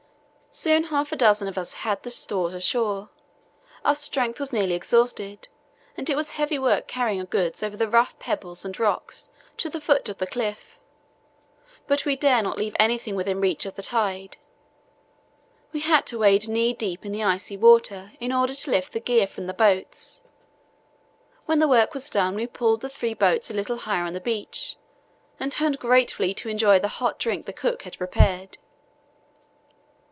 Soon half a dozen of us had the stores ashore. Our strength was nearly exhausted and it was heavy work carrying our goods over the rough pebbles and rocks to the foot of the cliff, but we dare not leave anything within reach of the tide. We had to wade knee deep in the icy water in order to lift the gear from the boats. When the work was done we pulled the three boats a little higher on the beach and turned gratefully to enjoy the hot drink the cook had prepared.